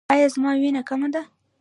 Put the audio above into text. ایا زما وینه کمه ده؟